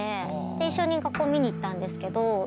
一緒に学校見に行ったんですけど。